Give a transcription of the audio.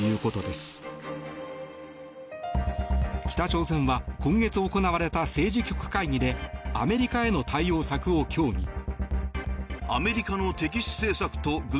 北朝鮮は今月行われた政治局会議でアメリカへの対応策を協議。